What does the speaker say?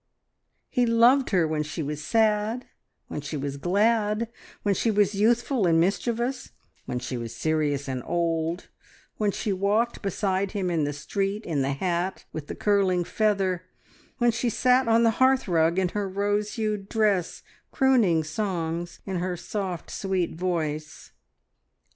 he loved her when she was sad, when she was glad, when she was youthful and mischievous, when she was serious and old, when she walked beside him in the street in the hat with the curling feather, when she sat on the hearthrug in her rose hued dress crooning songs in her soft, sweet voice.